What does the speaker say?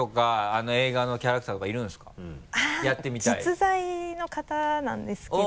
実在の方なんですけど。